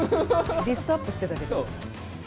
リストアップしてたけど。